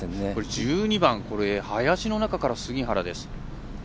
１２番、林の中から杉原です。